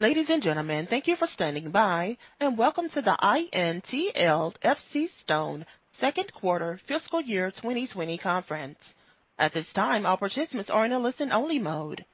Ladies and gentlemen, thank you for standing by, and welcome to the INTL FCStone Second Quarter Fiscal Year 2020 Conference. At this time, all participants are in a listen-only mode.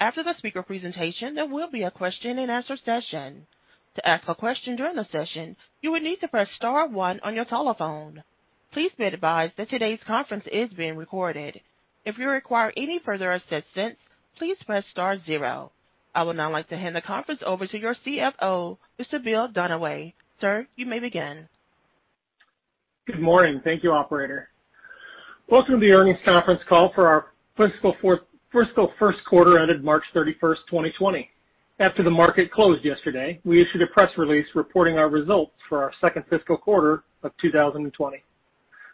After the speaker presentation, there will be a question-and-answer session. To ask a question during the session, you would need to press star one on your telephone. Please be advised that today's conference is being recorded. If you require any further assistance, please press star zero. I would now like to hand the conference over to your CFO, Mr. Bill Dunaway. Sir, you may begin. Good morning. Thank you, operator. Welcome to the earnings conference call for our fiscal first quarter ended March 31st, 2020. After the market closed yesterday, we issued a press release reporting our results for our second fiscal quarter of 2020.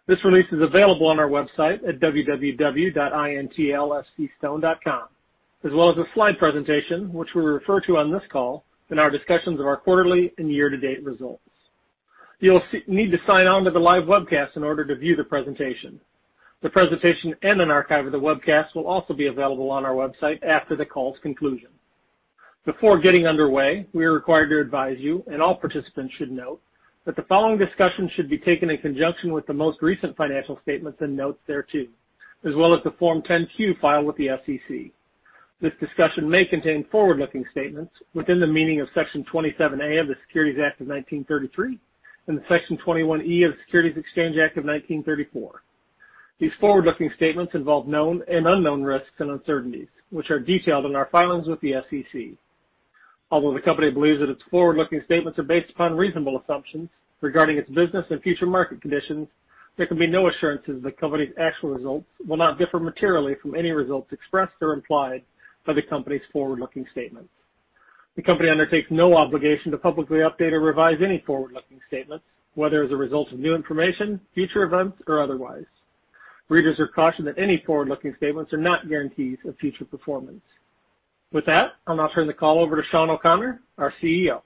This release is available on our website at www.intlfcstone.com, as well as a slide presentation, which we refer to on this call in our discussions of our quarterly and year-to-date results. You'll need to sign on to the live webcast in order to view the presentation. The presentation and an archive of the webcast will also be available on our website after the call's conclusion. Before getting underway, we are required to advise you, and all participants should note, that the following discussion should be taken in conjunction with the most recent financial statements and notes thereto, as well as the Form 10-Q filed with the SEC. This discussion may contain forward-looking statements within the meaning of Section 27A of the Securities Act of 1933 and Section 21E of the Securities Exchange Act of 1934. These forward-looking statements involve known and unknown risks and uncertainties, which are detailed in our filings with the SEC. Although the company believes that its forward-looking statements are based upon reasonable assumptions regarding its business and future market conditions, there can be no assurances the company's actual results will not differ materially from any results expressed or implied by the company's forward-looking statements. The company undertakes no obligation to publicly update or revise any forward-looking statements, whether as a result of new information, future events, or otherwise. Readers are cautioned that any forward-looking statements are not guarantees of future performance. With that, I'll now turn the call over to Sean O'Connor, our CEO.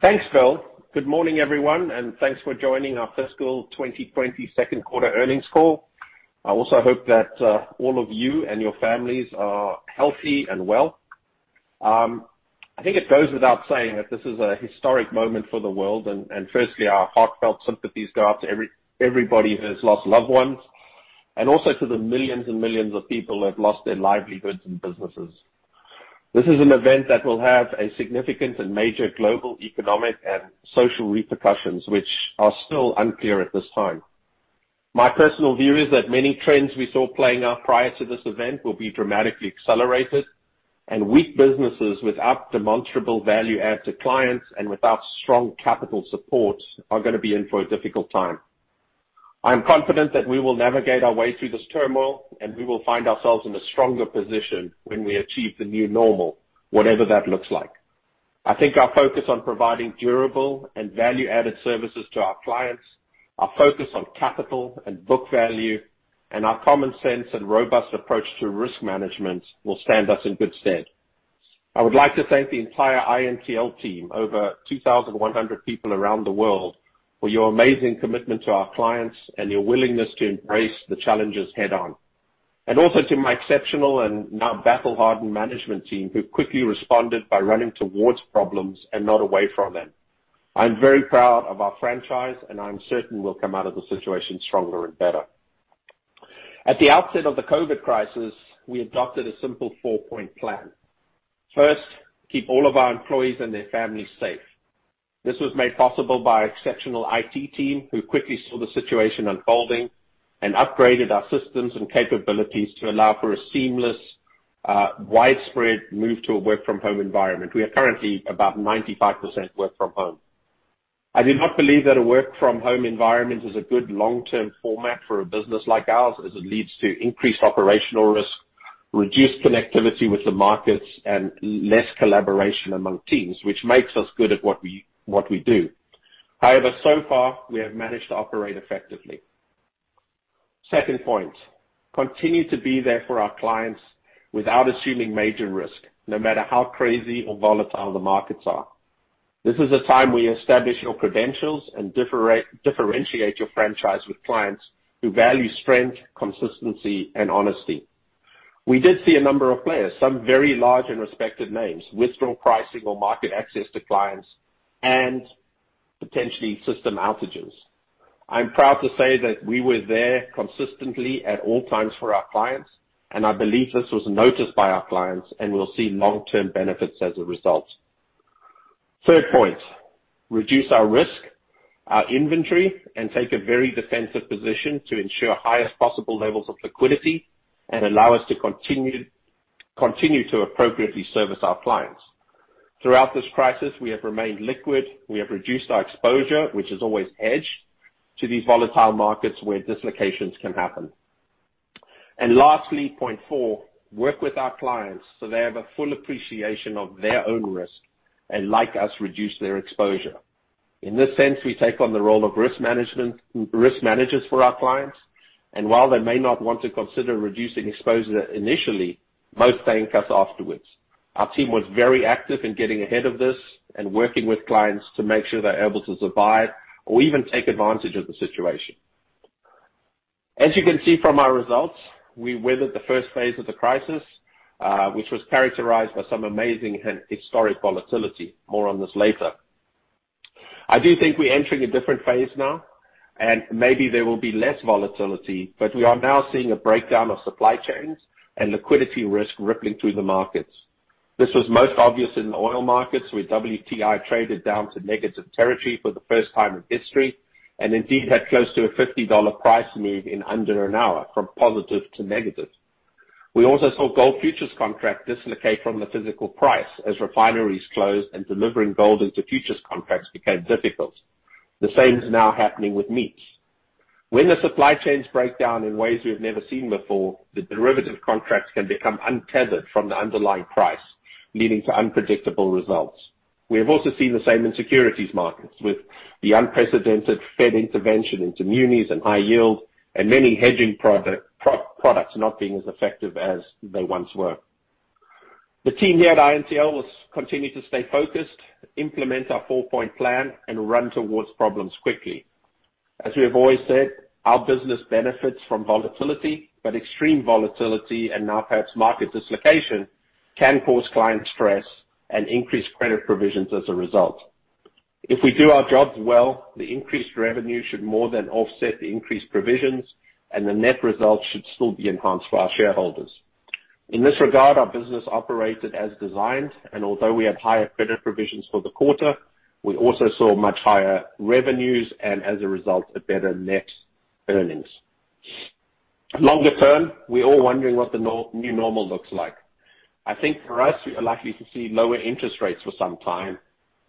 Thanks, Bill. Good morning, everyone, and thanks for joining our fiscal 2020 second quarter earnings call. I also hope that all of you and your families are healthy and well. I think it goes without saying that this is a historic moment for the world. Firstly, our heartfelt sympathies go out to everybody who has lost loved ones, and also to the millions and millions of people that have lost their livelihoods and businesses. This is an event that will have a significant and major global economic and social repercussions, which are still unclear at this time. My personal view is that many trends we saw playing out prior to this event will be dramatically accelerated. Weak businesses without demonstrable value add to clients and without strong capital support are gonna be in for a difficult time. I am confident that we will navigate our way through this turmoil, we will find ourselves in a stronger position when we achieve the new normal, whatever that looks like. I think our focus on providing durable and value-added services to our clients, our focus on capital and book value, our common sense and robust approach to risk management will stand us in good stead. I would like to thank the entire INTL team, over 2,100 people around the world, for your amazing commitment to our clients and your willingness to embrace the challenges head-on. Also to my exceptional and now battle-hardened management team, who quickly responded by running towards problems and not away from them. I'm very proud of our franchise, I'm certain we'll come out of the situation stronger and better. At the outset of the COVID crisis, we adopted a simple four-point plan. First, keep all of our employees and their families safe. This was made possible by our exceptional IT team, who quickly saw the situation unfolding and upgraded our systems and capabilities to allow for a seamless, widespread move to a work-from-home environment. We are currently about 95% work from home. I do not believe that a work-from-home environment is a good long-term format for a business like ours as it leads to increased operational risk, reduced connectivity with the markets, and less collaboration among teams, which makes us good at what we do. So far, we have managed to operate effectively. Second point, continue to be there for our clients without assuming major risk, no matter how crazy or volatile the markets are. This is a time where you establish your credentials and differentiate your franchise with clients who value strength, consistency, and honesty. We did see a number of players, some very large and respected names, withdraw pricing or market access to clients and potentially system outages. I'm proud to say that we were there consistently at all times for our clients, and I believe this was noticed by our clients, and we'll see long-term benefits as a result. Third point, reduce our risk, our inventory, and take a very defensive position to ensure highest possible levels of liquidity and allow us to continue to appropriately service our clients. Throughout this crisis, we have remained liquid. We have reduced our exposure, which is always hedged, to these volatile markets where dislocations can happen. Lastly, point four, work with our clients so they have a full appreciation of their own risk and, like us, reduce their exposure. In this sense, we take on the role of risk managers for our clients. While they may not want to consider reducing exposure initially, most thank us afterwards. Our team was very active in getting ahead of this and working with clients to make sure they're able to survive or even take advantage of the situation. As you can see from our results, we weathered the first phase of the crisis, which was characterized by some amazing and historic volatility. More on this later. I do think we're entering a different phase now, and maybe there will be less volatility, but we are now seeing a breakdown of supply chains and liquidity risk rippling through the markets. This was most obvious in the oil markets, where WTI traded down to negative territory for the first time in history, and indeed had close to a $50 price move in under an hour, from positive to negative. We also saw gold futures contract dislocate from the physical price as refineries closed and delivering gold into futures contracts became difficult. The same is now happening with meats. When the supply chains break down in ways we have never seen before, the derivative contracts can become untethered from the underlying price, leading to unpredictable results. We have also seen the same in securities markets, with the unprecedented Fed intervention into munis and high yield and many hedging products not being as effective as they once were. The team here at INTL has continued to stay focused, implement our four-point plan, and run towards problems quickly. As we have always said, our business benefits from volatility, but extreme volatility and now perhaps market dislocation can cause client stress and increased credit provisions as a result. If we do our jobs well, the increased revenue should more than offset the increased provisions, and the net result should still be enhanced for our shareholders. In this regard, our business operated as designed, and although we had higher credit provisions for the quarter, we also saw much higher revenues and, as a result, a better net earnings. Longer term, we're all wondering what the new normal looks like. I think for us, we are likely to see lower interest rates for some time,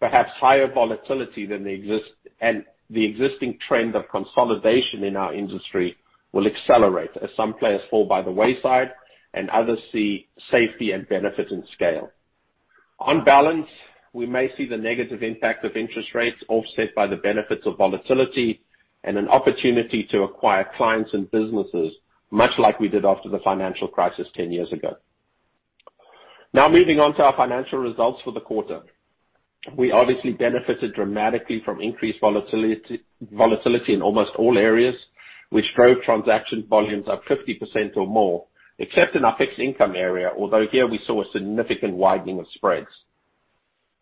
perhaps higher volatility than the existing trend of consolidation in our industry will accelerate as some players fall by the wayside and others see safety and benefit in scale. On balance, we may see the negative impact of interest rates offset by the benefits of volatility and an opportunity to acquire clients and businesses, much like we did after the financial crisis 10 years ago. Moving on to our financial results for the quarter. We obviously benefited dramatically from increased volatility in almost all areas, which drove transaction volumes up 50% or more, except in our fixed income area, although here we saw a significant widening of spreads.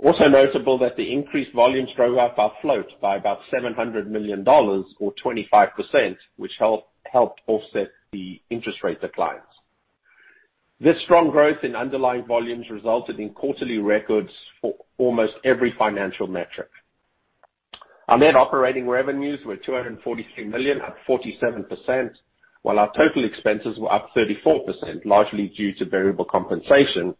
Notable that the increased volumes drove up our float by about $700 million, or 25%, which helped offset the interest rate declines. This strong growth in underlying volumes resulted in quarterly records for almost every financial metric. Our net operating revenues were $243 million, up 47%, while our total expenses were up 34%, largely due to variable compensation,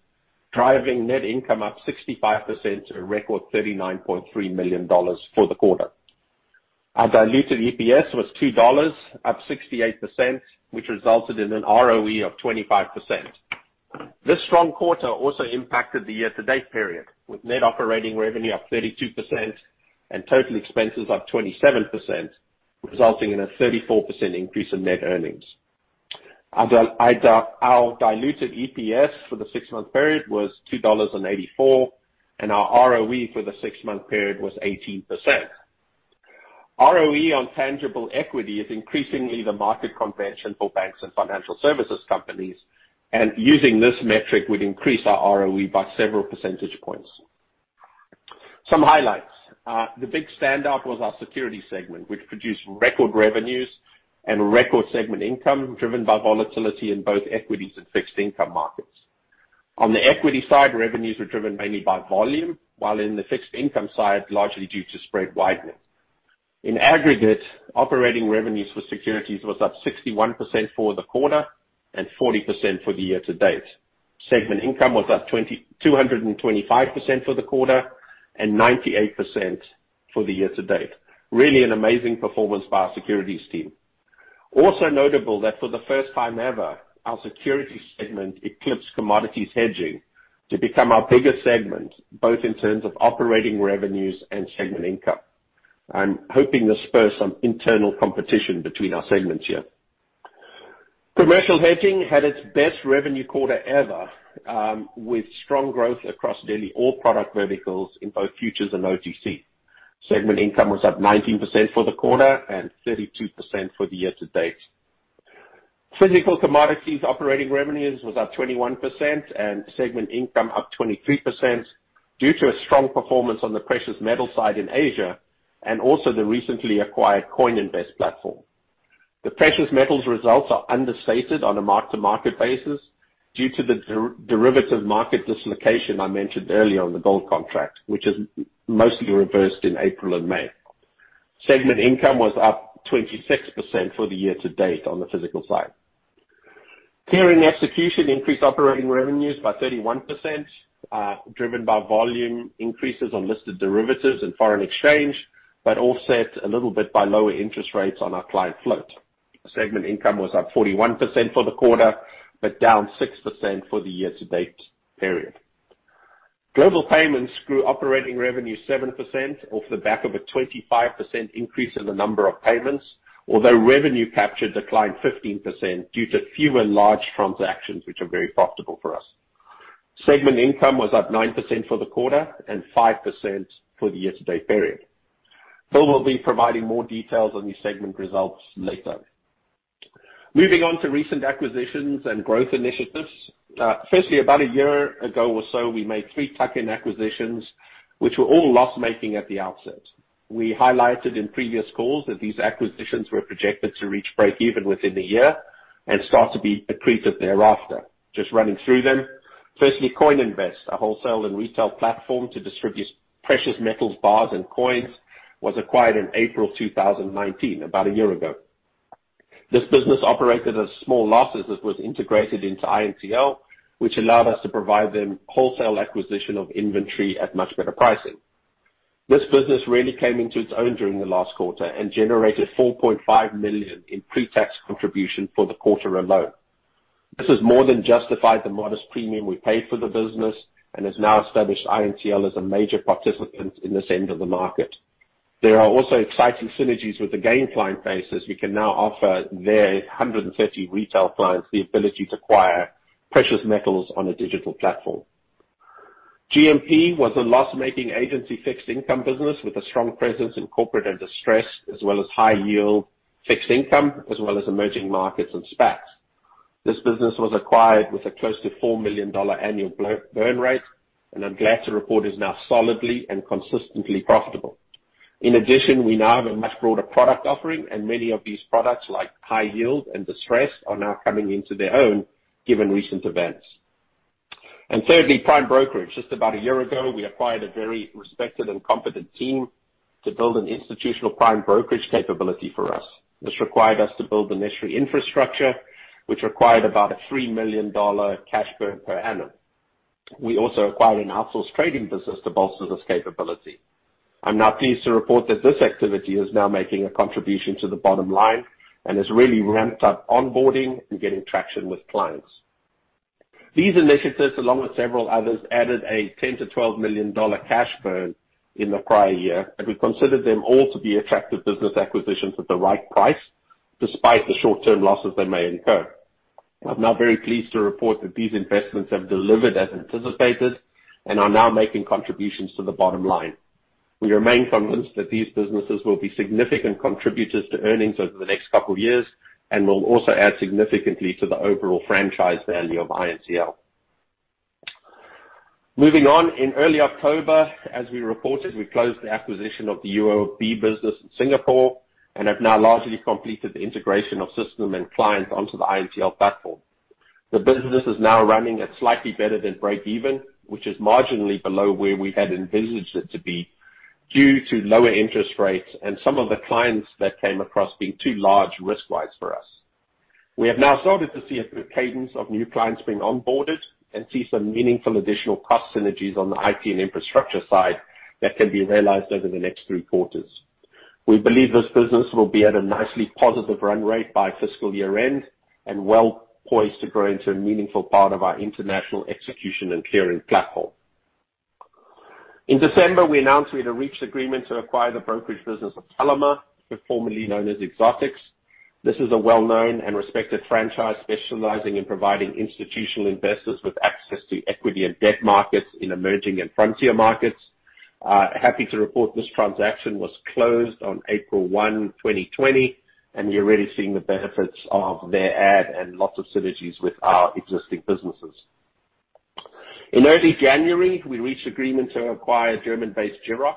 driving net income up 65% to a record $39.3 million for the quarter. Our diluted EPS was $2, up 68%, which resulted in an ROE of 25%. This strong quarter also impacted the year-to-date period, with net operating revenue up 32% and total expenses up 27%, resulting in a 34% increase in net earnings. Our diluted EPS for the six-month period was $2.84, and our ROE for the six-month period was 18%. ROE on tangible equity is increasingly the market convention for banks and financial services companies, and using this metric would increase our ROE by several percentage points. Some highlights. The big standout was our security segment, which produced record revenues and record segment income, driven by volatility in both equities and fixed income markets. On the equity side, revenues were driven mainly by volume, while in the fixed income side, largely due to spread widening. In aggregate, operating revenues for Securities was up 61% for the quarter and 40% for the year-to-date. Segment income was up 225% for the quarter and 98% for the year-to-date. Really an amazing performance by our securities team. Notable that for the first time ever, our Securities segment eclipsed Commodities Hedging to become our biggest segment, both in terms of operating revenues and segment income. I'm hoping to spur some internal competition between our segments here. Commercial Hedging had its best revenue quarter ever, with strong growth across nearly all product verticals in both futures and OTC. Segment income was up 19% for the quarter and 32% for the year-to-date. Physical commodities operating revenues was up 21% and segment income up 23% due to a strong performance on the precious metals side in Asia and also the recently acquired CoinInvest platform. The precious metals results are understated on a mark-to-market basis due to the derivative market dislocation I mentioned earlier on the gold contract, which has mostly reversed in April and May. Segment income was up 26% for the year-to-date on the physical side. Clearing execution increased operating revenues by 31%, driven by volume increases on listed derivatives and foreign exchange, but offset a little bit by lower interest rates on our client float. Segment income was up 41% for the quarter, but down 6% for the year-to-date period. Global Payments grew operating revenue 7% off the back of a 25% increase in the number of payments, although revenue captured declined 15% due to fewer large transactions, which are very profitable for us. Segment income was up 9% for the quarter, and 5% for the year-to-date period. Bill will be providing more details on these segment results later. Moving on to recent acquisitions and growth initiatives. Firstly, about a year ago or so, we made three tuck-in acquisitions, which were all loss-making at the outset. We highlighted in previous calls that these acquisitions were projected to reach breakeven within a year, and start to be accretive thereafter. Just running through them. Firstly, CoinInvest, a wholesale and retail platform to distribute precious metals, bars, and coins, was acquired in April 2019, about a year ago. This business operated at small losses that was integrated into INTL, which allowed us to provide them wholesale acquisition of inventory at much better pricing. This business really came into its own during the last quarter and generated $4.5 million in pre-tax contribution for the quarter alone. This has more than justified the modest premium we paid for the business and has now established INTL as a major participant in this end of the market. There are also exciting synergies with the GAIN client base, as we can now offer their 130 retail clients the ability to acquire precious metals on a digital platform. GMP was a loss-making agency fixed income business with a strong presence in corporate and distressed, as well as high yield fixed income, as well as emerging markets and SPACs. This business was acquired with a close to $4 million annual burn rate, and I'm glad to report is now solidly and consistently profitable. In addition, we now have a much broader product offering, and many of these products, like high yield and distressed, are now coming into their own, given recent events. Thirdly, Prime Brokerage. Just about a year ago, we acquired a very respected and competent team to build an institutional prime brokerage capability for us. This required us to build the necessary infrastructure, which required about a $3 million cash burn per annum. We also acquired an outsourced trading business to bolster this capability. I'm now pleased to report that this activity is now making a contribution to the bottom line and has really ramped up onboarding and getting traction with clients. These initiatives, along with several others, added a $10-$12 million cash burn in the prior year. We considered them all to be attractive business acquisitions at the right price, despite the short-term losses they may incur. I'm now very pleased to report that these investments have delivered as anticipated and are now making contributions to the bottom line. We remain convinced that these businesses will be significant contributors to earnings over the next couple of years and will also add significantly to the overall franchise value of INTL. Moving on, in early October, as we reported, we closed the acquisition of the UOB business in Singapore and have now largely completed the integration of system and clients onto the INTL platform. The business is now running at slightly better than breakeven, which is marginally below where we had envisaged it to be due to lower interest rates and some of the clients that came across being too large risk-wise for us. We have now started to see a cadence of new clients being onboarded and see some meaningful additional cost synergies on the IT and infrastructure side that can be realized over the next three quarters. We believe this business will be at a nicely positive run rate by fiscal year-end and well-poised to grow into a meaningful part of our international execution and clearing platform. In December, we announced we had reached agreement to acquire the brokerage business of Tellimer, formerly known as Exotix. This is a well-known and respected franchise specializing in providing institutional investors with access to equity and debt markets in emerging and frontier markets. Happy to report this transaction was closed on April 1, 2020, and we're already seeing the benefits of their ad and lots of synergies with our existing businesses. In early January, we reached agreement to acquire German-based GIROXX.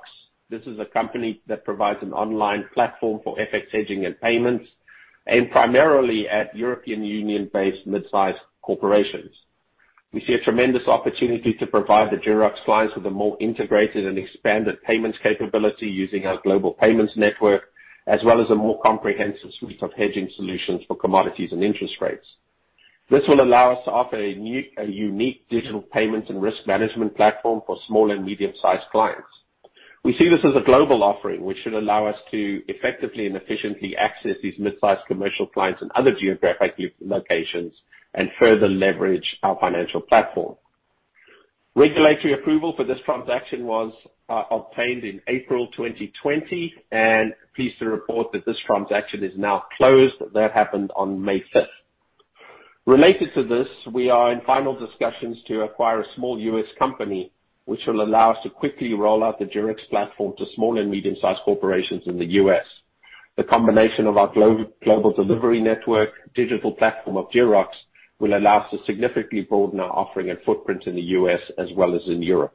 This is a company that provides an online platform for FX hedging and payments, aimed primarily at European Union-based mid-sized corporations. We see a tremendous opportunity to provide the GIROXX clients with a more integrated and expanded payments capability using our Global Payments network, as well as a more comprehensive suite of hedging solutions for commodities and interest rates. This will allow us to offer a unique digital payments and risk management platform for small and medium-sized clients. We see this as a global offering, which should allow us to effectively and efficiently access these mid-sized commercial clients in other geographic locations and further leverage our financial platform. Regulatory approval for this transaction was obtained in April 2020, and pleased to report that this transaction is now closed. That happened on May 5th. Related to this, we are in final discussions to acquire a small U.S. company, which will allow us to quickly roll out the GIROXX platform to small and medium-sized corporations in the U.S. The combination of our global delivery network, digital platform of GIROXX, will allow us to significantly broaden our offering and footprint in the U.S. as well as in Europe.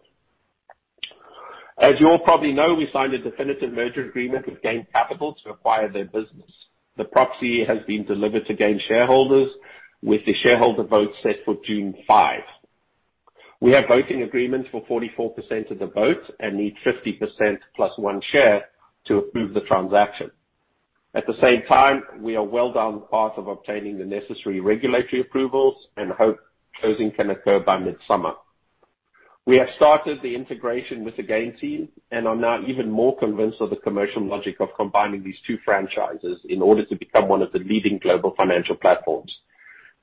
As you all probably know, we signed a definitive merger agreement with GAIN Capital to acquire their business. The proxy has been delivered to GAIN shareholders with the shareholder vote set for June 5. We have voting agreements for 44% of the vote and need 50% plus one share to approve the transaction. At the same time, we are well down the path of obtaining the necessary regulatory approvals and hope closing can occur by mid-summer. We have started the integration with the Gain team and are now even more convinced of the commercial logic of combining these two franchises in order to become one of the leading global financial platforms.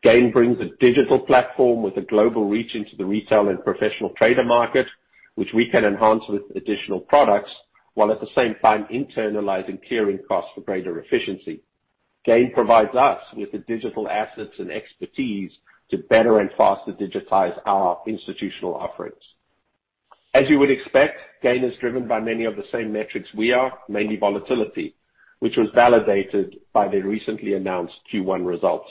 Gain brings a digital platform with a global reach into the retail and professional trader market, which we can enhance with additional products, while at the same time internalizing clearing costs for greater efficiency. Gain provides us with the digital assets and expertise to better and faster digitize our institutional offerings. As you would expect, Gain is driven by many of the same metrics we are, mainly volatility, which was validated by their recently announced Q1 results.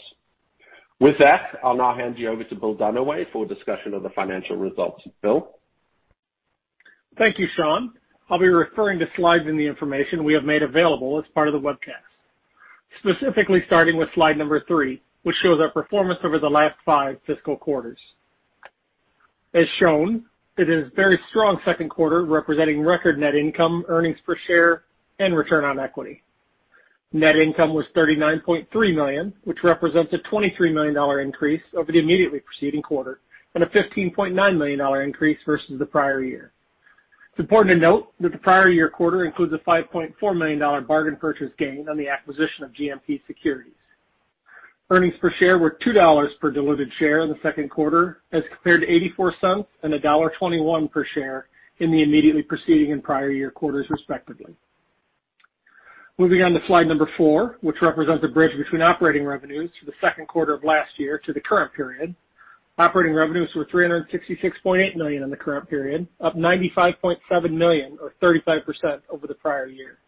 With that, I'll now hand you over to Bill Dunaway for discussion of the financial results. Bill? Thank you, Sean. I'll be referring to slides in the information we have made available as part of the webcast. Specifically starting with slide number three, which shows our performance over the last five fiscal quarters. As shown, it is very strong second quarter, representing record net income, EPS, and ROE. Net income was $39.3 million, which represents a $23 million increase over the immediately preceding quarter and a $15.9 million increase versus the prior year. It's important to note that the prior year quarter includes a $5.4 million bargain purchase gain on the acquisition of GMP Securities. EPS were $2 per diluted share in the second quarter, as compared to $0.84 and $1.21 per share in the immediately preceding and prior year quarters respectively. Moving on to slide number four, which represents a bridge between operating revenues for the second quarter of last year to the current period. Operating revenues were $366.8 million in the current period, up $95.7 million or 35% over the prior year.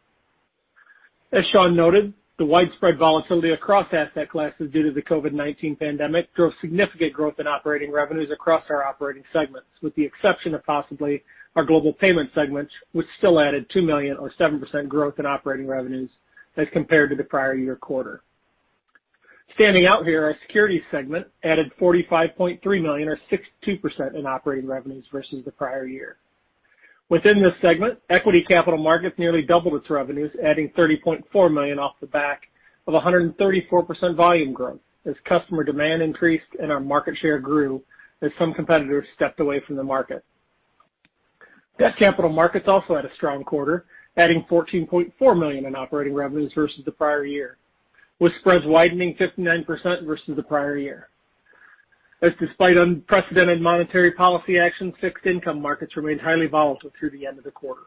As Sean noted, the widespread volatility across asset classes due to the COVID-19 pandemic drove significant growth in operating revenues across our operating segments, with the exception of possibly our global payments segment, which still added $2 million or 7% growth in operating revenues as compared to the prior year quarter. Standing out here, our Securities segment added $45.3 million or 62% in operating revenues versus the prior year. Within this segment, equity capital markets nearly doubled its revenues, adding $30.4 million off the back of 134% volume growth as customer demand increased and our market share grew as some competitors stepped away from the market. Debt capital markets also had a strong quarter, adding $14.4 million in operating revenues versus the prior year, with spreads widening 59% versus the prior year. Despite unprecedented monetary policy actions, fixed income markets remained highly volatile through the end of the quarter.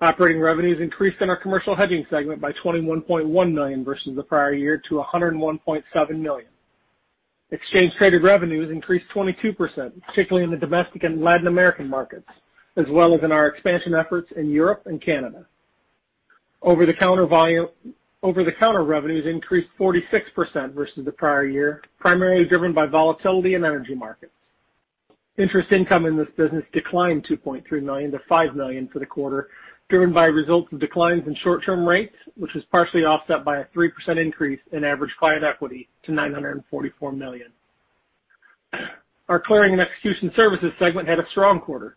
Operating revenues increased in our commercial hedging segment by $21.1 million versus the prior year to $101.7 million. Exchange traded revenues increased 22%, particularly in the domestic and Latin American markets, as well as in our expansion efforts in Europe and Canada. Over the counter revenues increased 46% versus the prior year, primarily driven by volatility in energy markets. Interest income in this business declined $2.3 million to $5 million for the quarter, driven by results of declines in short-term rates, which was partially offset by a 3% increase in average client equity to $944 million. Our Clearing and Execution Services Segment had a strong quarter,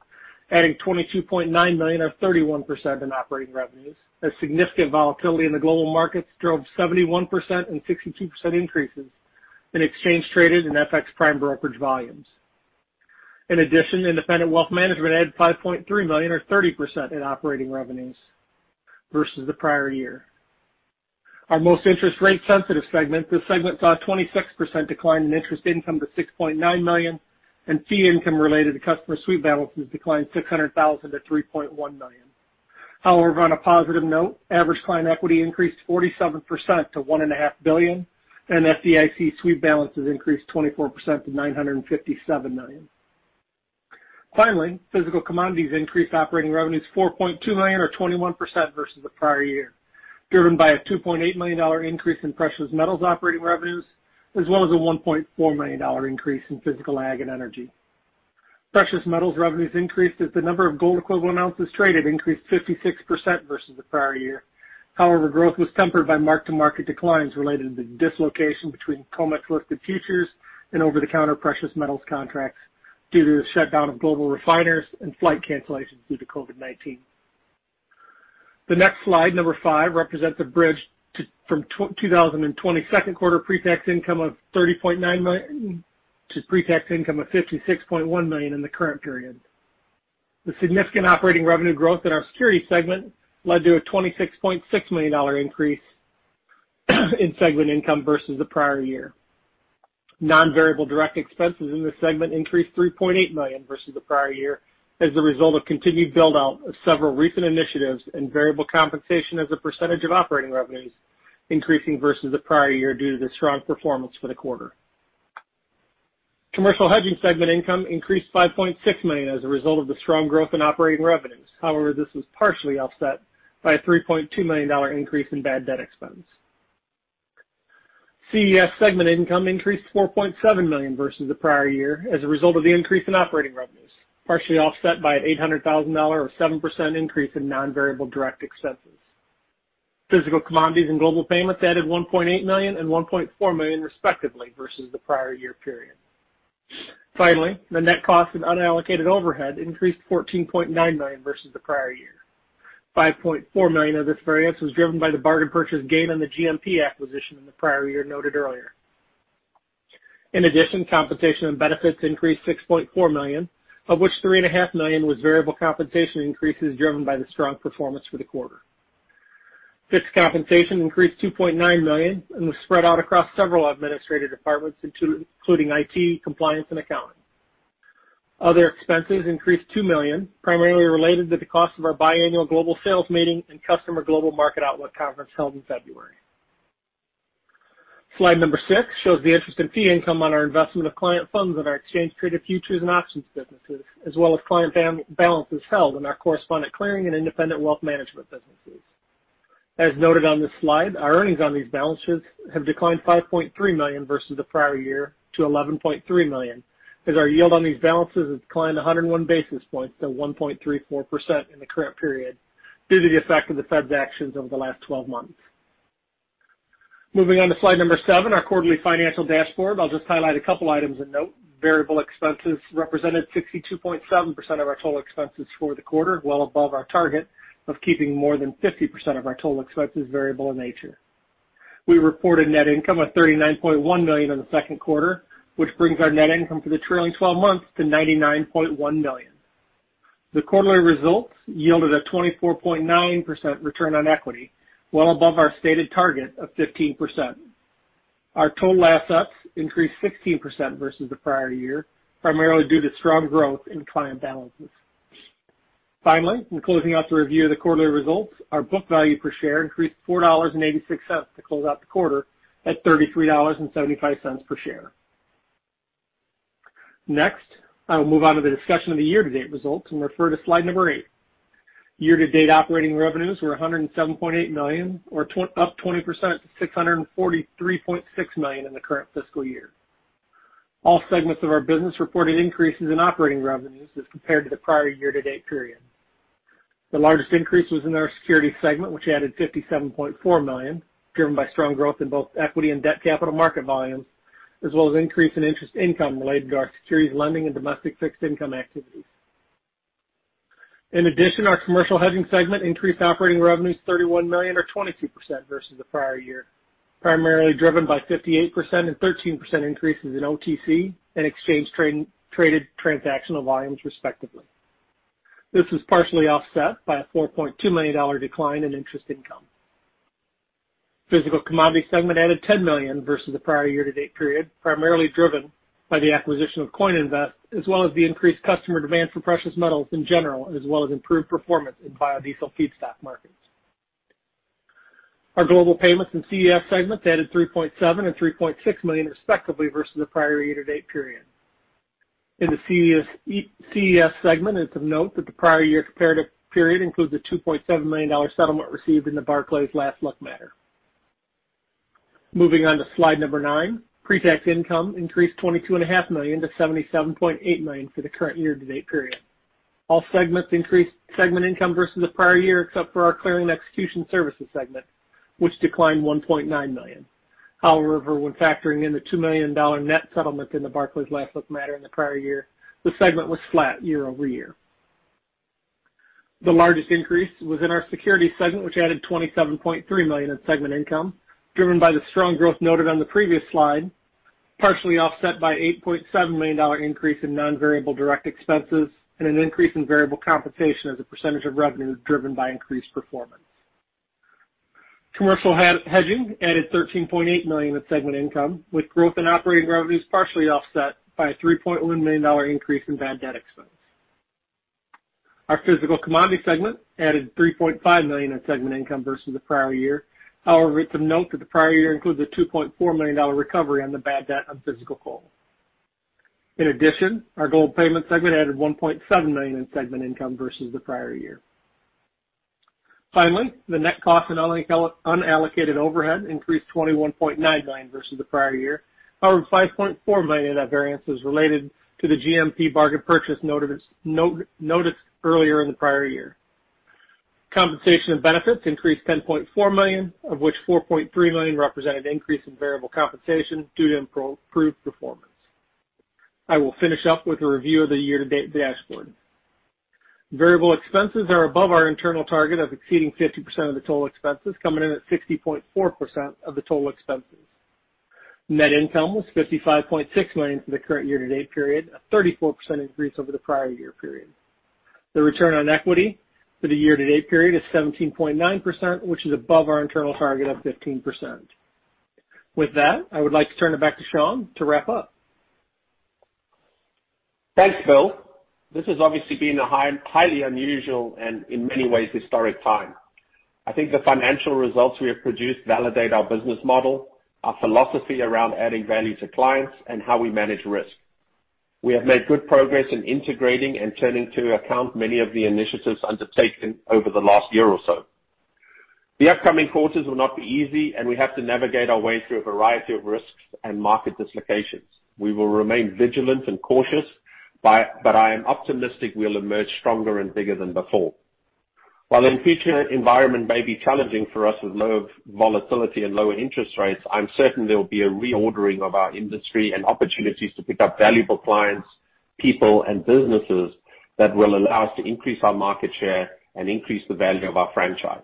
adding $22.9 million or 31% in operating revenues as significant volatility in the global markets drove 71% and 62% increases in exchange traded and FX prime brokerage volumes. Independent wealth management added $5.3 million or 30% in operating revenues versus the prior year. Our most interest rate sensitive segment, this segment saw a 26% decline in interest income to $6.9 million. Fee income related to customer sweep balances declined $600,000-3.1 million. However, on a positive note, average client equity increased 47% to $1.5 billion. FDIC sweep balances increased 24% to $957 million. Finally, physical commodities increased operating revenues $4.2 million or 21% versus the prior year, driven by a $2.8 million increase in precious metals operating revenues, as well as a $1.4 million increase in physical ag and energy. Precious metals revenues increased as the number of gold equivalent ounces traded increased 56% versus the prior year. However, growth was tempered by mark-to-market declines related to the dislocation between COMEX-listed futures and over-the-counter precious metals contracts due to the shutdown of global refiners and flight cancellations due to COVID-19. The next slide, number five, represents a bridge from 2020 second quarter pre-tax income of $30.9 million to pre-tax income of $56.1 million in the current period. The significant operating revenue growth in our securities segment led to a $26.6 million increase in segment income versus the prior year. Non-variable direct expenses in this segment increased $3.8 million versus the prior year as a result of continued build-out of several recent initiatives and variable compensation as a percentage of operating revenues increasing versus the prior year due to the strong performance for the quarter. Commercial Hedging segment income increased $5.6 million as a result of the strong growth in operating revenues. This was partially offset by a $3.2 million increase in bad debt expense. CES segment income increased $4.7 million versus the prior year as a result of the increase in operating revenues, partially offset by $800,000 or 7% increase in non-variable direct expenses. Physical Commodities and Global Payments added $1.8 million and $1.4 million respectively versus the prior year period. The net cost of unallocated overhead increased $14.9 million versus the prior year. $5.4 million of this variance was driven by the bargain purchase gain on the GMP acquisition in the prior year noted earlier. In addition, compensation and benefits increased $6.4 million, of which three and a half million was variable compensation increases driven by the strong performance for the quarter. Fixed compensation increased $2.9 million and was spread out across several administrative departments, including IT, compliance, and accounting. Other expenses increased $2 million, primarily related to the cost of our biannual global sales meeting and customer global market outlook conference held in February. Slide number six shows the interest in fee income on our investment of client funds on our exchange traded futures and options businesses, as well as client balances held in our correspondent clearing and independent wealth management businesses. As noted on this slide, our earnings on these balances have declined $5.3 million versus the prior year to $11.3 million, as our yield on these balances has declined 101 basis points to 1.34% in the current period due to the effect of the Fed's actions over the last 12 months. Moving on to slide number seven, our quarterly financial dashboard. I'll just highlight a couple items of note. Variable expenses represented 62.7% of our total expenses for the quarter, well above our target of keeping more than 50% of our total expenses variable in nature. We reported net income of $39.1 million in the second quarter, which brings our net income for the trailing 12 months to $99.1 million. The quarterly results yielded a 24.9% return on equity, well above our stated target of 15%. Our total assets increased 16% versus the prior year, primarily due to strong growth in client balances. Finally, in closing out the review of the quarterly results, our book value per share increased $4.86 to close out the quarter at $33.75 per share. Next, I will move on to the discussion of the year-to-date results and refer to slide number eight. Year-to-date operating revenues were $107.8 million or up 20% to $643.6 million in the current fiscal year. All segments of our business reported increases in operating revenues as compared to the prior year-to-date period. The largest increase was in our securities segment, which added $57.4 million, driven by strong growth in both equity and debt capital market volumes, as well as increase in interest income related to our securities lending and domestic fixed income activities. In addition, our Commercial Hedging segment increased operating revenues $31 million or 22% versus the prior year, primarily driven by 58% and 13% increases in OTC and exchange traded transactional volumes, respectively. This was partially offset by a $4.2 million decline in interest income. Physical Commodities segment added $10 million versus the prior year-to-date period, primarily driven by the acquisition of CoinInvest, as well as the increased customer demand for precious metals in general, as well as improved performance in biodiesel feedstock markets. Our Global Payments and CES segments added $3.7 million and $3.6 million respectively versus the prior year-to-date period. In the CES segment, it's of note that the prior year comparative period includes a $2.7 million settlement received in the Barclays Last Look matter. Moving on to slide number nine. Pre-tax income increased $22.5-77.8 million for the current year-to-date period. All segments increased segment income versus the prior year, except for our Clearing Execution Services segment, which declined $1.9 million. However, when factoring in the $2.7 million net settlement in the Barclays Last Look matter in the prior year, the segment was flat year-over-year. The largest increase was in our Securities segment, which added $27.3 million in segment income, driven by the strong growth noted on the previous slide, partially offset by $8.7 million increase in non-variable direct expenses and an increase in variable compensation as a percentage of revenue driven by increased performance. Commercial Hedging added $13.8 million in segment income, with growth in operating revenues partially offset by a $3.1 million increase in bad debt expense. Our Physical Commodities segment added $3.5 million in segment income versus the prior year. It's of note that the prior year includes a $2.4 million recovery on the bad debt on physical coal. Our global payments segment added $1.7 million in segment income versus the prior year. The net cost in unallocated overhead increased $21.9 million versus the prior year. $5.4 million of that variance was related to the GMP bargain purchase noticed earlier in the prior year. Compensation and benefits increased $10.4 million, of which $4.3 million represented increase in variable compensation due to improved performance. I will finish up with a review of the year-to-date dashboard. Variable expenses are above our internal target of exceeding 50% of the total expenses, coming in at 60.4% of the total expenses. Net income was $55.6 million for the current year-to-date period, a 34% increase over the prior year period. The return on equity for the year-to-date period is 17.9%, which is above our internal target of 15%. With that, I would like to turn it back to Sean to wrap up. Thanks, Bill. This has obviously been a highly unusual and in many ways historic time. I think the financial results we have produced validate our business model, our philosophy around adding value to clients, and how we manage risk. We have made good progress in integrating and turning to account many of the initiatives undertaken over the last year or so. The upcoming quarters will not be easy, and we have to navigate our way through a variety of risks and market dislocations. We will remain vigilant and cautious, but I am optimistic we'll emerge stronger and bigger than before. While the future environment may be challenging for us with low volatility and low interest rates, I'm certain there will be a reordering of our industry and opportunities to pick up valuable clients, people, and businesses that will allow us to increase our market share and increase the value of our franchise.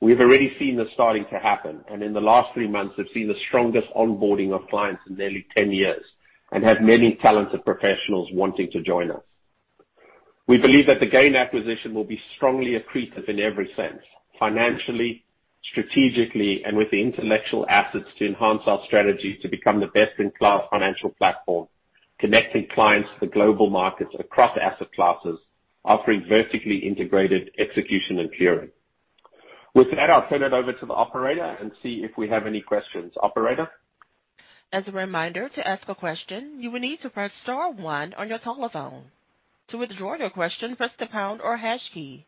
We've already seen this starting to happen, and in the last three months, we've seen the strongest onboarding of clients in nearly 10 years and have many talented professionals wanting to join us. We believe that the GAIN acquisition will be strongly accretive in every sense, financially, strategically, and with the intellectual assets to enhance our strategy to become the best-in-class financial platform, connecting clients to the global markets across asset classes, offering vertically integrated execution and clearing. With that, I'll turn it over to the operator and see if we have any questions. Operator? As a reminder, to ask a question, you will need to press star one on your telephone. To withdraw your question, press the pound or hash key.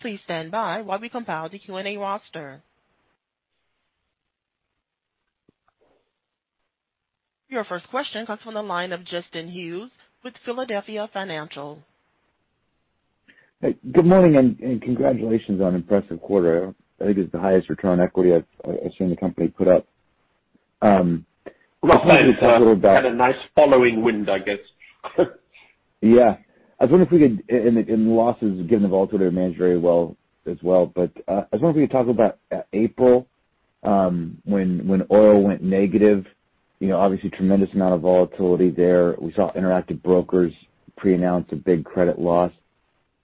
Please stand by while we compile the Q&A roster. Your first question comes from the line of Justin Hughes with Philadelphia Financial. Hey, good morning, and congratulations on an impressive quarter. I think it's the highest return on equity I've seen the company put up. Well, thanks. We had a nice following wind, I guess. I was wondering if we could talk about April, when oil went negative. Obviously, tremendous amount of volatility there. We saw Interactive Brokers pre-announce a big credit loss.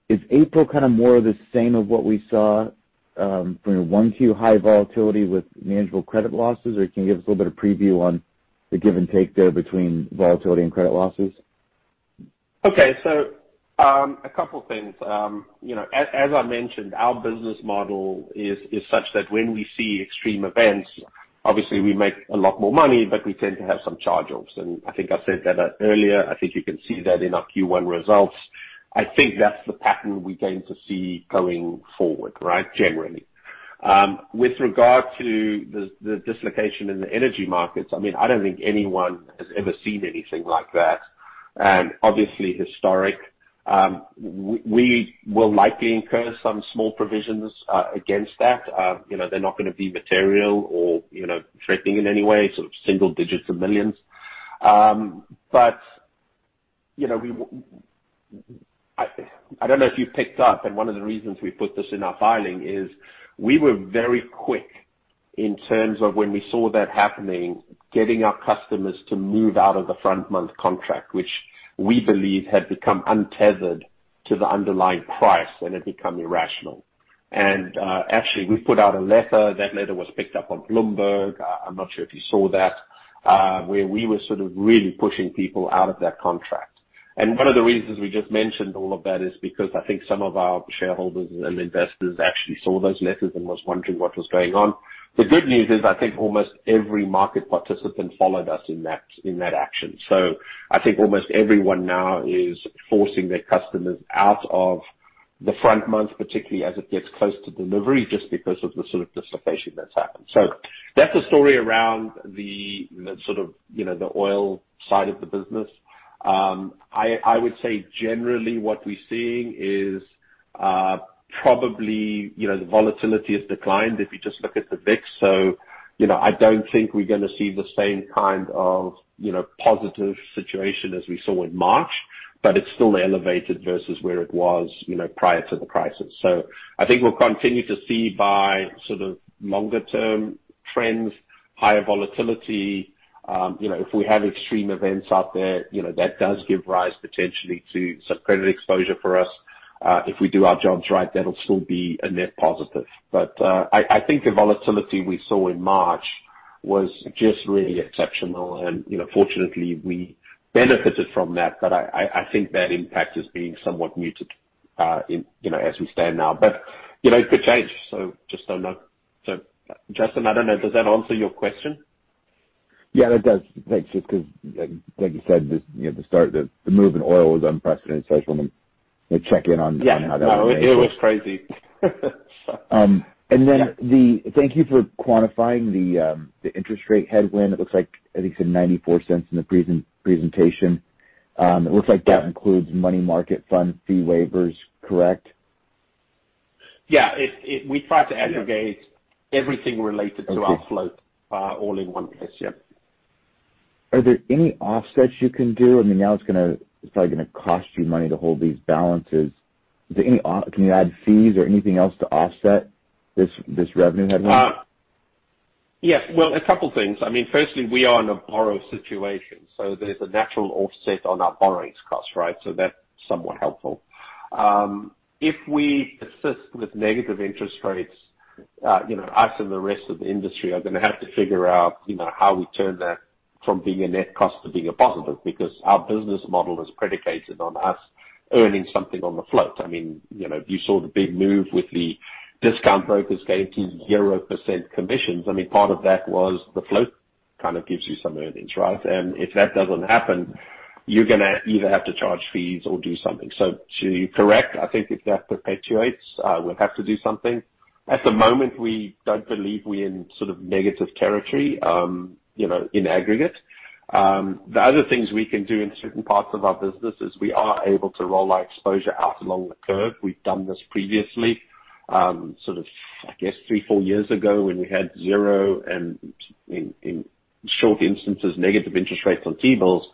Is April more of the same of what we saw from your 1Q high volatility with manageable credit losses? Can you give us a little bit of preview on the give and take there between volatility and credit losses? Okay. A couple things. As I mentioned, our business model is such that when we see extreme events, obviously, we make a lot more money, but we tend to have some charge-offs. I think I said that earlier. I think you can see that in our Q1 results. I think that's the pattern we're going to see going forward, right, generally. With regard to the dislocation in the energy markets, I don't think anyone has ever seen anything like that. Obviously historic. We will likely incur some small provisions against that. They're not going to be material or threatening in any way, sort of single digits of millions. I don't know if you picked up, and one of the reasons we put this in our filing is we were very quick in terms of when we saw that happening, getting our customers to move out of the front-month contract, which we believe had become untethered to the underlying price and had become irrational. Actually, we put out a letter. That letter was picked up on Bloomberg, I'm not sure if you saw that, where we were sort of really pushing people out of that contract. One of the reasons we just mentioned all of that is because I think some of our shareholders and investors actually saw those letters and was wondering what was going on. The good news is I think almost every market participant followed us in that action. I think almost everyone now is forcing their customers out of the front month, particularly as it gets close to delivery, just because of the sort of dislocation that's happened. That's the story around the oil side of the business. I would say generally what we're seeing is probably the volatility has declined if you just look at the VIX. I don't think we're going to see the same kind of positive situation as we saw in March, but it's still elevated versus where it was prior to the crisis. I think we'll continue to see by sort of longer term trends, higher volatility. If we have extreme events out there, that does give rise potentially to some credit exposure for us. If we do our jobs right, that'll still be a net positive. I think the volatility we saw in March was just really exceptional and fortunately, we benefited from that. I think that impact is being somewhat muted as we stand now. It could change, so just don't know. Justin, I don't know, does that answer your question? Yeah, it does. Thanks. Just because, like you said, at the start, the move in oil was unprecedented, so I just wanted to check in on how that went. Yeah. No, it was crazy. Thank you for quantifying the interest rate headwind. It looks like, I think you said $0.94 in the presentation. It looks like that includes money market fund fee waivers, correct? Yeah. We try to aggregate everything related to our float all in one place. Yep. Are there any offsets you can do? Now it's probably gonna cost you money to hold these balances. Can you add fees or anything else to offset this revenue headwind? Yeah. Well, a couple things. Firstly, we are in a borrow situation, there's a natural offset on our borrowings cost, right? That's somewhat helpful. If we persist with negative interest rates, us and the rest of the industry are going to have to figure out how we turn that from being a net cost to being a positive, because our business model is predicated on us earning something on the float. You saw the big move with the discount brokers going to 0% commissions. Part of that was the float kind of gives you some earnings, right? If that doesn't happen, you're gonna either have to charge fees or do something. To correct, I think if that perpetuates, we'll have to do something. At the moment, we don't believe we're in sort of negative territory in aggregate. The other things we can do in certain parts of our business is we are able to roll our exposure out along the curve. We've done this previously, sort of, I guess three, four years ago when we had zero and in short instances, negative interest rates on T-bills,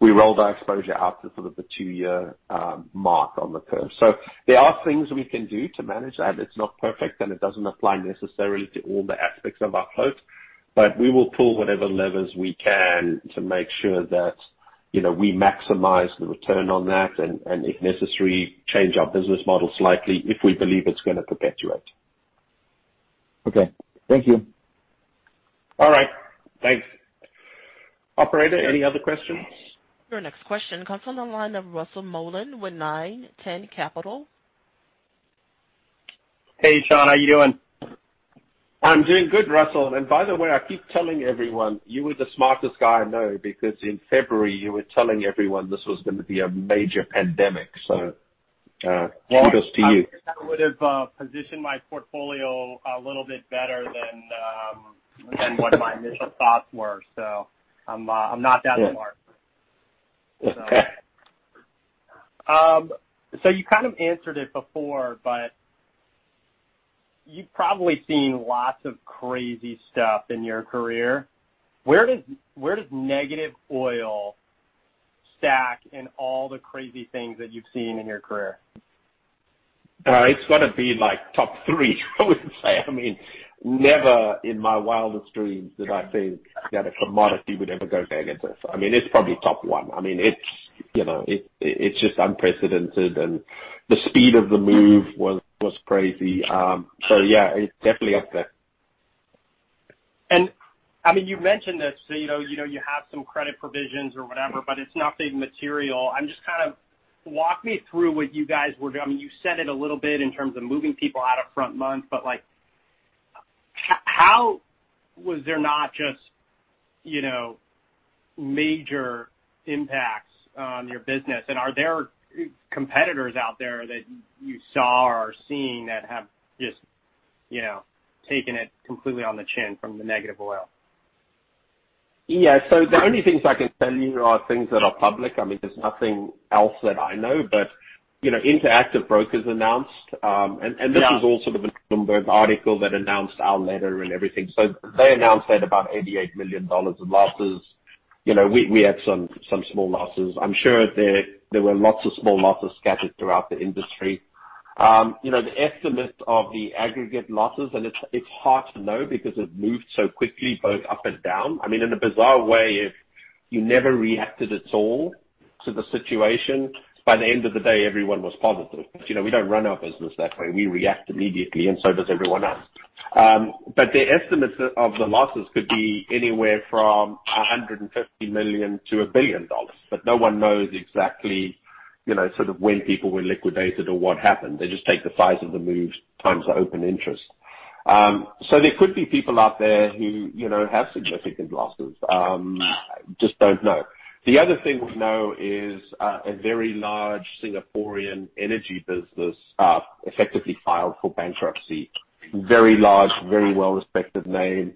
we rolled our exposure out to sort of the two-year mark on the curve. There are things we can do to manage that. It's not perfect, and it doesn't apply necessarily to all the aspects of our float. But we will pull whatever levers we can to make sure that we maximize the return on that and, if necessary, change our business model slightly if we believe it's going to perpetuate. Okay. Thank you. All right. Thanks. Operator, any other questions? Your next question comes on the line of Russell Mollen with Nine Ten Capital. Hey, Sean. How are you doing? I'm doing good, Russell. By the way, I keep telling everyone you are the smartest guy I know because in February you were telling everyone this was going to be a major pandemic. Kudos to you. Yeah. I wish I would have positioned my portfolio a little bit better than what my initial thoughts were. I'm not that smart. Okay. You kind of answered it before, but you've probably seen lots of crazy stuff in your career. Where does negative oil stack in all the crazy things that you've seen in your career? It's got to be like top three, I would say. Never in my wildest dreams did I think that a commodity would ever go negative. It's probably top one. It's just unprecedented and the speed of the move was crazy. Yeah, it's definitely up there. You've mentioned this, so you know you have some credit provisions or whatever, but it's nothing material. I'm just kind of walk me through what you guys were doing. You said it a little bit in terms of moving people out of front month, but how was there not just major impacts on your business? Are there competitors out there that you saw or are seeing that have just taken it completely on the chin from the negative oil? Yeah. The only things I can tell you are things that are public. There's nothing else that I know. Interactive Brokers announced, and this was all sort of a Bloomberg article that announced our letter and everything. They announced they had about $88 million of losses. We had some small losses. I'm sure there were lots of small losses scattered throughout the industry. The estimate of the aggregate losses, and it's hard to know because it moved so quickly, both up and down. In a bizarre way, if you never reacted at all to the situation, by the end of the day, everyone was positive. We don't run our business that way. We react immediately, and so does everyone else. The estimates of the losses could be anywhere from $150 million to $1 billion. No one knows exactly when people were liquidated or what happened. They just take the size of the moves times the open interest. There could be people out there who have significant losses. Just don't know. The other thing we know is a very large Singaporean energy business effectively filed for bankruptcy. Very large, very well-respected name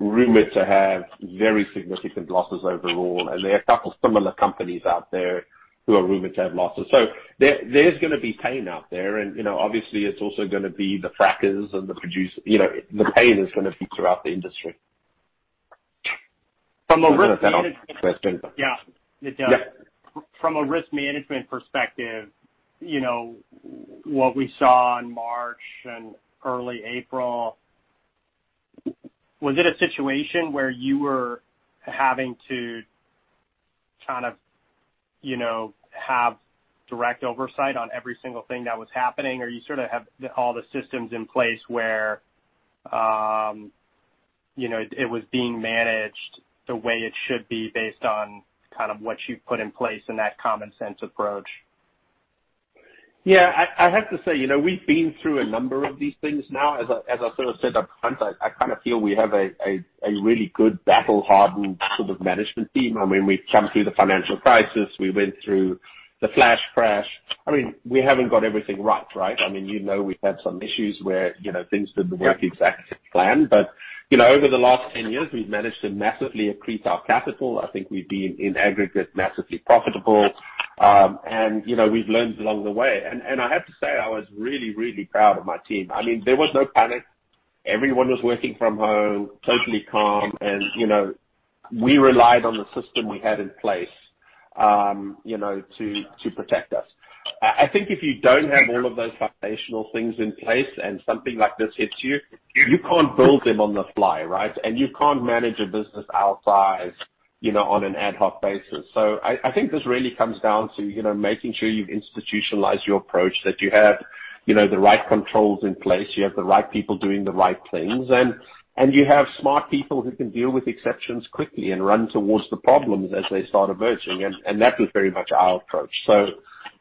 rumored to have very significant losses overall. There are a couple similar companies out there who are rumored to have losses. There's going to be pain out there. Obviously it's also going to be the frackers and the producers. The pain is going to be throughout the industry. Does that answer your question? Yeah, it does. Yeah. From a risk management perspective, what we saw in March and early April, was it a situation where you were having to have direct oversight on every single thing that was happening? You have all the systems in place where it was being managed the way it should be based on what you've put in place and that common sense approach? I have to say, we've been through a number of these things now. As I sort of said upfront, I feel we have a really good battle-hardened sort of management team. We've come through the financial crisis. We went through the flash crash. We haven't got everything right. You know we've had some issues where things didn't work exactly as we planned. Over the last 10 years, we've managed to massively increase our capital. I think we've been, in aggregate, massively profitable. We've learned along the way. I have to say, I was really proud of my team. There was no panic. Everyone was working from home, totally calm, and we relied on the system we had in place to protect us. I think if you don't have all of those foundational things in place and something like this hits you can't build them on the fly. You can't manage a business our size on an ad hoc basis. I think this really comes down to making sure you've institutionalized your approach, that you have the right controls in place, you have the right people doing the right things, and you have smart people who can deal with exceptions quickly and run towards the problems as they start emerging. That was very much our approach.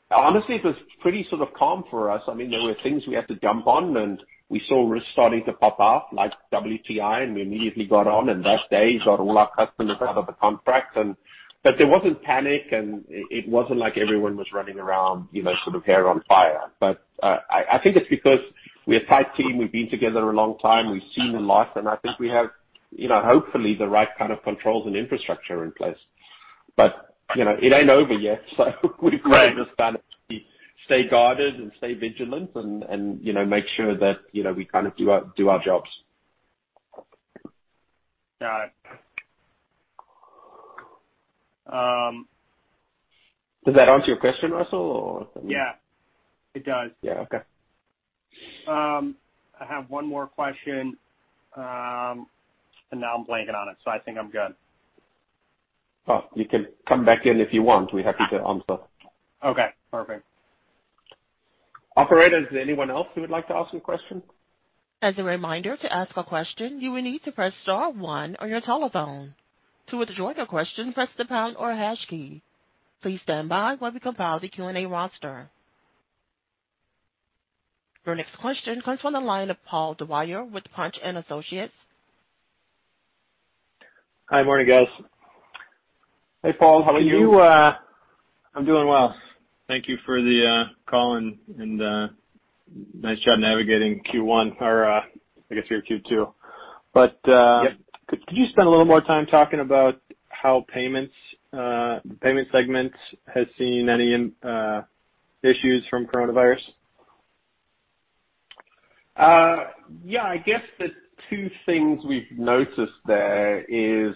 Honestly, it was pretty calm for us. There were things we had to jump on, and we saw risks starting to pop up like WTI, and we immediately got on and those days got all our customers out of the contracts. There wasn't panic and it wasn't like everyone was running around hair on fire. I think it's because we're a tight team. We've been together a long time. We've seen a lot and I think we have, hopefully, the right kind of controls and infrastructure in place. It ain't over yet. We've got to just stay guarded and stay vigilant and make sure that we do our jobs. All right. Does that answer your question, Russell? Yeah. It does. Yeah. Okay. I have one more question, and now I'm blanking on it, so I think I'm good. Oh, you can come back in if you want. We're happy to answer. Okay, perfect. Operator, is there anyone else who would like to ask a question? As a reminder, to ask a question, you will need to press star one on your telephone. To withdraw your question, press the pound or hash key. Please stand by while we compile the Q&A roster. Your next question comes from the line of Paul Dwyer with Punch & Associates. Hi. Morning, guys. Hey, Paul. How are you? I'm doing well. Thank you for the call and nice job navigating Q1 or, I guess, your Q2. Yeah. Could you spend a little more time talking about how Payments Segment has seen any issues from coronavirus? Yeah. I guess the two things we've noticed there is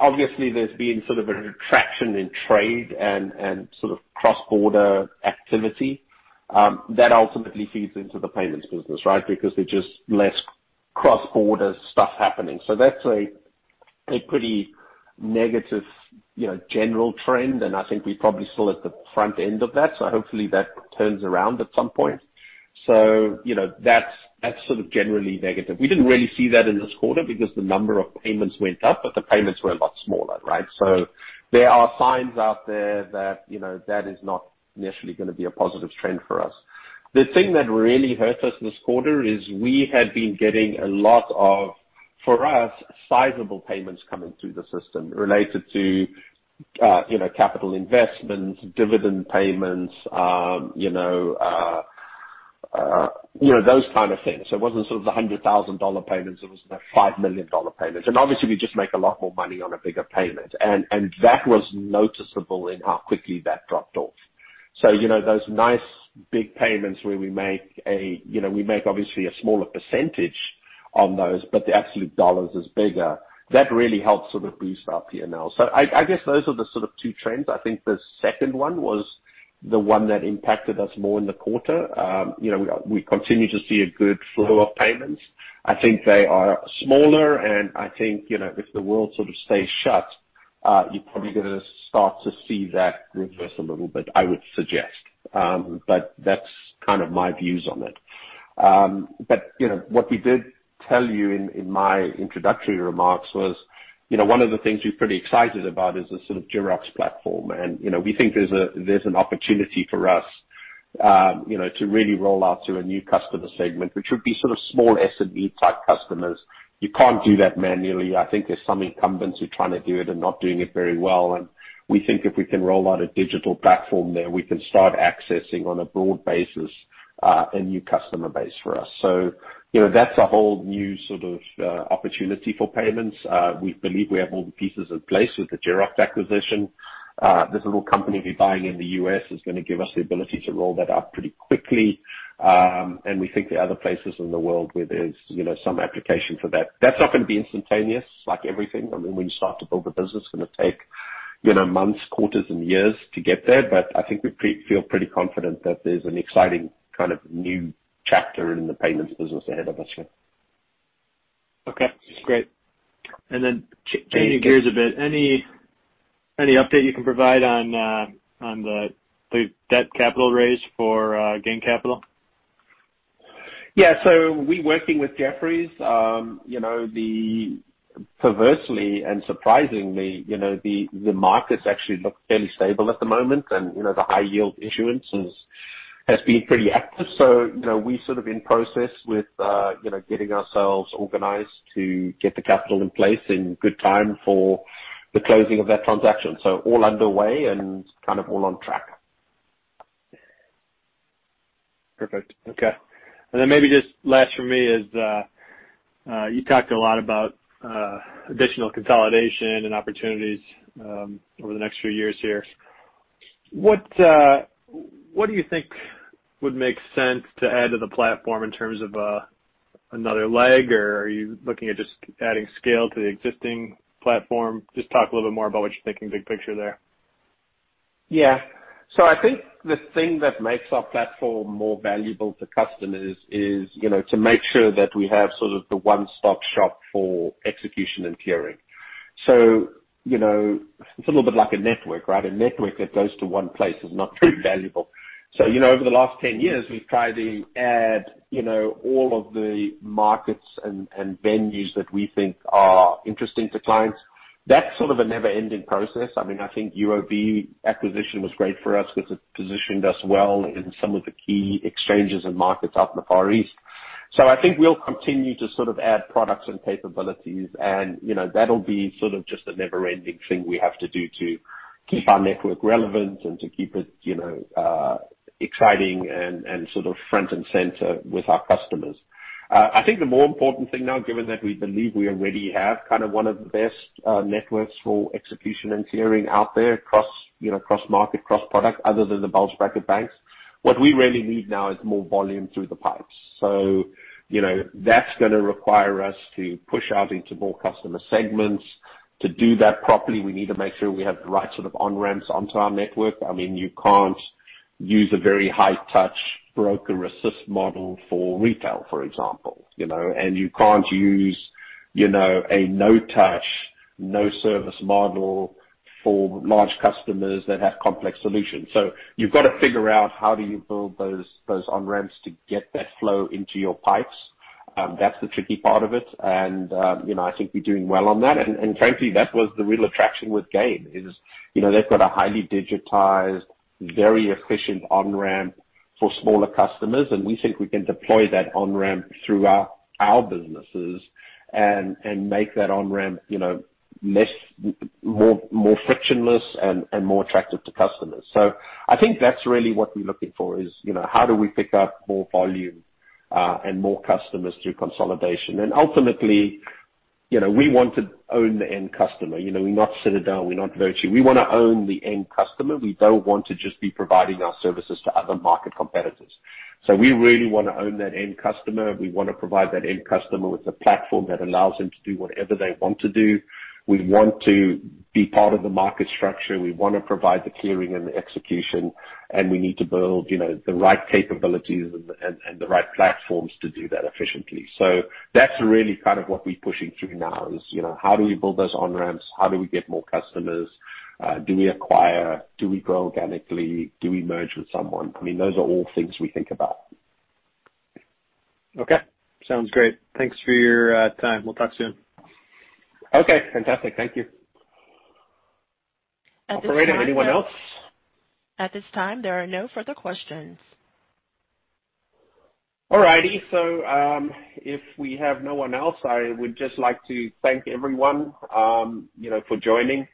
obviously there's been sort of a retraction in trade and sort of cross-border activity that ultimately feeds into the payments business, right? There are just less cross-border stuff happening. That's a pretty negative general trend, and I think we're probably still at the front end of that. Hopefully that turns around at some point. That's sort of generally negative. We didn't really see that in this quarter because the number of payments went up, but the payments were a lot smaller, right? There are signs out there that is not necessarily going to be a positive trend for us. The thing that really hurt us this quarter is we had been getting a lot of, for us, sizable payments coming through the system related to capital investments, dividend payments, those kind of things. It wasn't sort of the $100,000 payments; it was the $5 million payments. Obviously, we just make a lot more money on a bigger payment. That was noticeable in how quickly that dropped off. Those nice big payments where we make obviously a smaller percentage on those, but the absolute dollars is bigger. That really helped sort of boost our P&L. I guess those are the sort of two trends. I think the second one was the one that impacted us more in the quarter. We continue to see a good flow of payments. I think they are smaller and I think if the world sort of stays shut, you're probably gonna start to see that reverse a little bit, I would suggest. That's kind of my views on it. What we did tell you in my introductory remarks was one of the things we're pretty excited about is the sort of GIROXX platform. We think there's an opportunity for us to really roll out to a new customer segment, which would be sort of small SME type customers. You can't do that manually. I think there are some incumbents who are trying to do it and not doing it very well. We think if we can roll out a digital platform there, we can start accessing on a broad basis, a new customer base for us. That's a whole new sort of opportunity for payments. We believe we have all the pieces in place with the GIROXX acquisition. This little company we're buying in the U.S. is going to give us the ability to roll that out pretty quickly. We think there are other places in the world where there's some application for that. That's not going to be instantaneous, like everything. I mean, when you start to build a business, it's going to take months, quarters, and years to get there. I think we feel pretty confident that there's an exciting kind of new chapter in the payments business ahead of us, yeah. Okay. Great. Then changing gears a bit. Any update you can provide on the debt capital raise for GAIN Capital? Yeah. We working with Jefferies. Perversely and surprisingly, the markets actually look fairly stable at the moment. The high yield issuance has been pretty active. We sort of in process with getting ourselves organized to get the capital in place in good time for the closing of that transaction. All underway and kind of all on track. Perfect. Okay. Then maybe just last for me is, you talked a lot about additional consolidation and opportunities over the next few years here. What do you think would make sense to add to the platform in terms of another leg or are you looking at just adding scale to the existing platform? Just talk a little bit more about what you're thinking big picture there. Yeah. I think the thing that makes our platform more valuable to customers is to make sure that we have sort of the one-stop shop for execution and clearing. It's a little bit like a network, right? A network that goes to one place is not very valuable. Over the last 10 years, we've tried to add all of the markets and venues that we think are interesting to clients. That's sort of a never-ending process. I mean, I think UOB acquisition was great for us because it positioned us well in some of the key exchanges and markets out in the Far East. I think we'll continue to sort of add products and capabilities, and that'll be sort of just a never-ending thing we have to do to keep our network relevant and to keep it exciting and sort of front and center with our customers. I think the more important thing now, given that we believe we already have kind of one of the best networks for execution and clearing out there across market, cross-product, other than the bulge bracket banks. What we really need now is more volume through the pipes. That's going to require us to push out into more customer segments. To do that properly, we need to make sure we have the right sort of on-ramps onto our network. I mean, you can't use a very high touch broker assist model for retail, for example. You can't use a no touch, no service model for large customers that have complex solutions. You've got to figure out how do you build those on-ramps to get that flow into your pipes. That's the tricky part of it. I think we're doing well on that. Frankly, that was the real attraction with GAIN is, they've got a highly digitized, very efficient on-ramp for smaller customers, and we think we can deploy that on-ramp throughout our businesses and make that on-ramp more frictionless and more attractive to customers. I think that's really what we're looking for, is how do we pick up more volume, and more customers through consolidation. Ultimately, we want to own the end customer. We're not Citadel, we're not Virtu. We want to own the end customer. We don't want to just be providing our services to other market competitors. We really want to own that end customer. We want to provide that end customer with a platform that allows them to do whatever they want to do. We want to be part of the market structure. We want to provide the clearing and the execution, we need to build the right capabilities and the right platforms to do that efficiently. That's really what we're pushing through now is, how do we build those on-ramps? How do we get more customers? Do we acquire? Do we grow organically? Do we merge with someone? Those are all things we think about. Okay. Sounds great. Thanks for your time. We'll talk soon. Okay. Fantastic. Thank you. Operator, anyone else? At this time, there are no further questions. All righty. If we have no one else, I would just like to thank everyone for joining.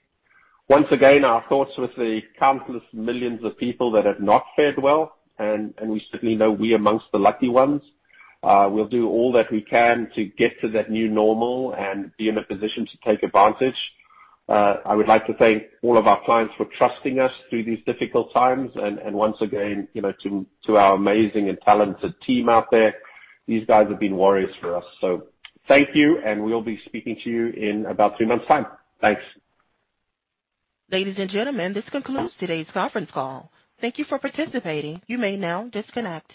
Once again, our thoughts with the countless millions of people that have not fared well, and we certainly know we amongst the lucky ones. We'll do all that we can to get to that new normal and be in a position to take advantage. I would like to thank all of our clients for trusting us through these difficult times. Once again, to our amazing and talented team out there, these guys have been warriors for us. Thank you, and we'll be speaking to you in about three months' time. Thanks. Ladies and gentlemen, this concludes today's conference call. Thank you for participating. You may now disconnect.